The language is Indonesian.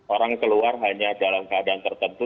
orang keluar hanya dalam keadaan tertentu